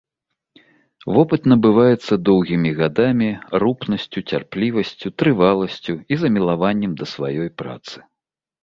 Вопыт набываецца доўгімі гадамі, рупнасцю, цярплівасцю, трываласцю і замілаваннем да сваёй працы.